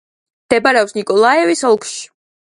მდებარეობს ნიკოლაევის ოლქში.